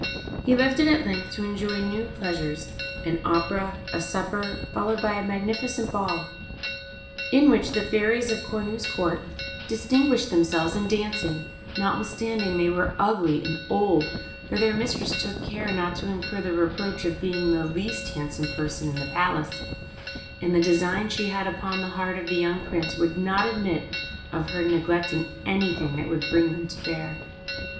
He left it at length to enjoy new pleasures an opera, a supper, followed by a magnificent ball, in which the fairies of Cornue's Court distinguished themselves in dancing, notwithstanding they were ugly and old, for their mistress took care not to incur the reproach of being the least handsome person in the Palace; and the designs she had upon the heart of the young Prince would not admit of her neglecting anything that would bring them to bear.